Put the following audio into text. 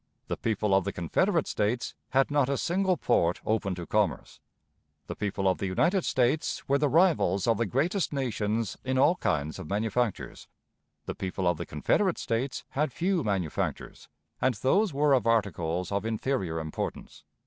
The people of the Confederate States had not a single port open to commerce. The people of the United States were the rivals of the greatest nations in all kinds of manufactures. The people of the Confederate States had few manufactures, and those were of articles of inferior importance.